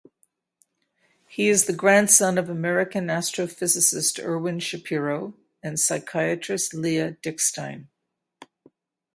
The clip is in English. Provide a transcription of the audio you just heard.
He is the grandson of American astrophysicist Irwin Shapiro and psychiatrist Leah Dickstein.